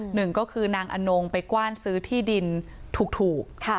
หนึ่งก็คือนางอนงไปกว้านซื้อที่ดินถูก